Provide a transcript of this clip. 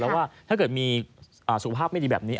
แล้วว่าถ้าเกิดมีสุขภาพไม่ดีแบบนี้